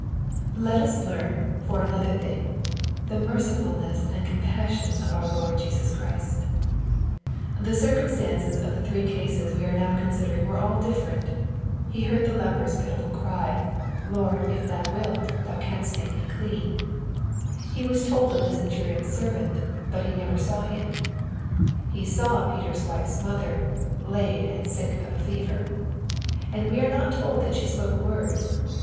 Let us learn, for another thing, the mercifulness and compassion of our Lord Jesus Christ, The circumstances of the three cases we are now considering were all diflferent. He heard the leper's pitiful cry, " Lord, if thou wilt| MATTHEW, CHAP. Vin. Tfi thou canst make me clean/' — He was told of the cen turion's servant, but He never saw him. — ^He saw Peter's wife's mother, " laid and sick of a fever ;" and we are not told that she spoke a word.